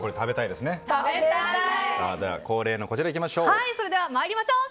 では、恒例のこちらいきましょう。